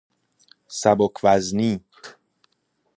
سبک وزنی